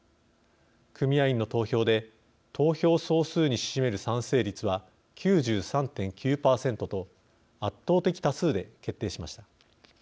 組合員の投票で投票総数に占める賛成率は９３．９％と圧倒的多数で決定しました。